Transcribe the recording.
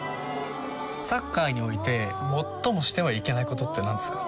サッカーにおいて最もしてはいけないことって何ですか？